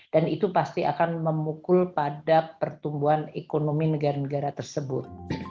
dan itu pasti akan memukul pada pertumbuhan ekonomi negara negara tersebut